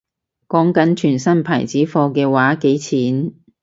講緊全新牌子貨嘅話幾錢